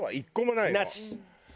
なし！